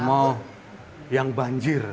mau yang banjir